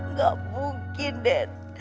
nggak mungkin den